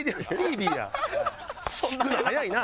弾くの早いな。